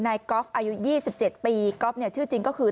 ก๊อฟอายุ๒๗ปีก๊อฟเนี่ยชื่อจริงก็คือ